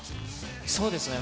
そうですね。